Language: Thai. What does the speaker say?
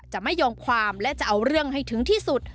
จะไม่ยอมความและจะเอาเรื่องให้ถึงที่สุด